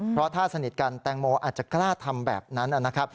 เพราะถ้าสนิทกันแตงโมอาจจะกล้าทำแบบนั้นนะครับ